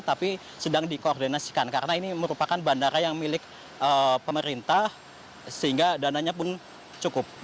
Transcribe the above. tapi sedang dikoordinasikan karena ini merupakan bandara yang milik pemerintah sehingga dananya pun cukup